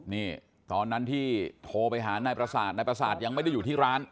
นี่ตอนนั้นที่โทรไปหานายประสาทนายประสาทยังไม่ได้อยู่ที่ร้าน